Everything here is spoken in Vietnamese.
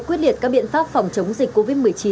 quyết liệt các biện pháp phòng chống dịch covid một mươi chín